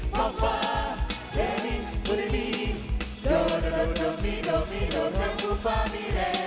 tak terlalu dilarangi